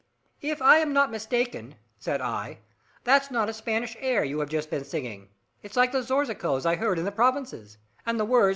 "If I am not mistaken," said I, "that's not a Spanish air you have just been singing. It's like the zorzicos I've heard in the Provinces,* and the words must be in the Basque language."